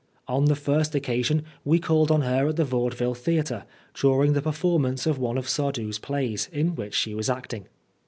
On the first occa sion we called on her at the Vaudeville Theatre, during the performance of one of Sardou's plays, in which she was acting.